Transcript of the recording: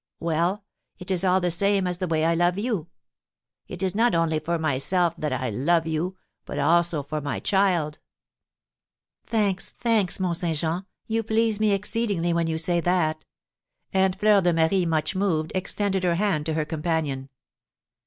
Well, it is all the same as the way I love you; it is not only for myself that I love you, but also for my child." "Thanks, thanks, Mont Saint Jean, you please me exceedingly when you say that." And Fleur de Marie, much moved, extended her hand to her companion.